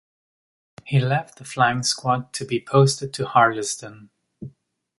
He left the Flying Squad to be posted to Harlesden.